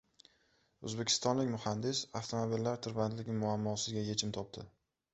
O‘zbekistonlik muhandis avtomobillar tirbandligi muammosiga yechim topdi